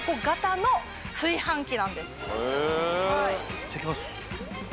いただきます。